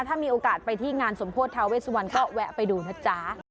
ถ้ามีโอกาสไปที่งานสมโพธิทาเวสวันก็แวะไปดูนะจ๊ะ